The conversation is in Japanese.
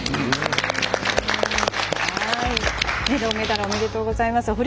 銅メダルおめでとうございます。